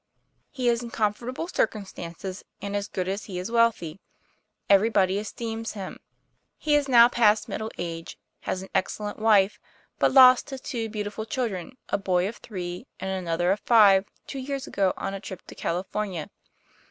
' He is in comfortable circumstances, and as good as he is wealthy. Everybody esteems him. He is now past middle age, has an excellent wife, but lost his two beautiful children, a boy of three and another of five, two years ago on a trip to California.